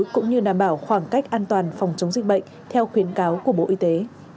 cũng như đảm bảo khoảng cách an toàn phòng chống dịch bệnh theo khuyến cáo của bộ y tế